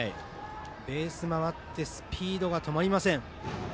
ベース回ってスピードが止まりません。